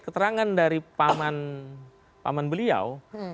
keterangan dari paman beliau